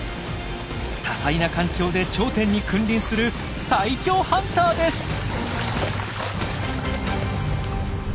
多彩な環境で頂点に君臨する最強ハンターです。